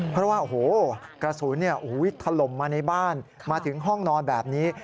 เพราะว่าโอ้โหกระสุนถล่มมาในบ้านมาถึงห้องนอนแบบนี้